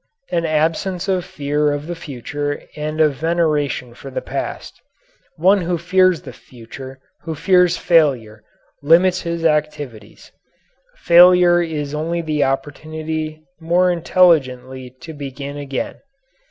An absence of fear of the future and of veneration for the past. One who fears the future, who fears failure, limits his activities. Failure is only the opportunity more intelligently to begin again.